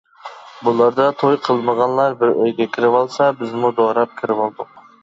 بۇلاردا توي قىلمىغانلار بىر ئۆيگە كىرىۋالسا بىزمۇ دوراپ كىرىۋالدۇق.